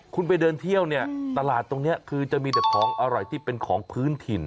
คุณไปเดินเที่ยวเนี่ยตลาดตรงนี้คือจะมีแต่ของอร่อยที่เป็นของพื้นถิ่น